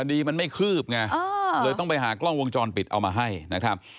คดีมันไม่คืบไงเลยต้องไปหากล้องวงจรปิดเอามาให้นะครับ